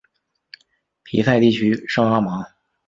皮赛地区圣阿芒。